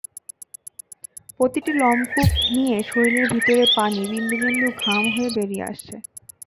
প্রতিটি লোমকূপ নিয়ে শরীরের ভেতরের পানি বিন্দু বিন্দু ঘাম হয়ে বেরিয়ে আসছে।